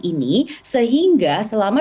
ini sehingga selama